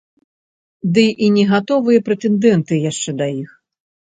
Ды і не гатовыя прэтэндэнты яшчэ да іх.